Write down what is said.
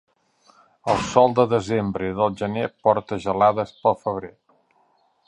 El sol de desembre i del gener porta gelades pel febrer.